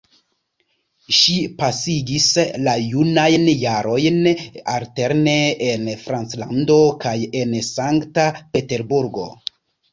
Ŝi pasigis la junajn jarojn alterne en Franclando kaj en Sankt Peterburgo.